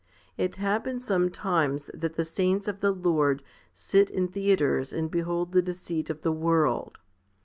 1 It happens sometimes that the saints of the Lord sit in theatres and behold the deceit of the world.